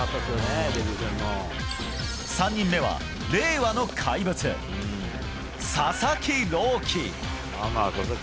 ３人目は、令和の怪物佐々木朗希。